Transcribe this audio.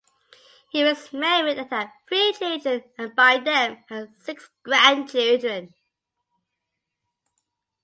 He was married and had three children and by them had six grandchildren.